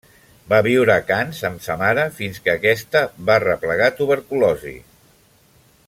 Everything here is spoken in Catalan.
Va viure a Canes amb sa mare, fins que aquesta va arreplegar tuberculosi.